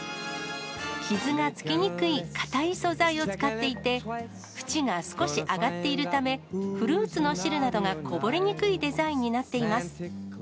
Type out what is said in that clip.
傷がつきにくい硬い素材を使っていて、ふちが少し上がっているため、フルーツの汁などがこぼれにくいデザインになっています。